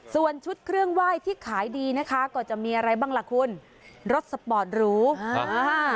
ส่วนชุดเครื่องไหว้ที่ขายดีนะคะก็จะมีอะไรบ้างล่ะคุณรถสปอร์ตหรูอ่า